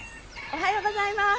おはようございます。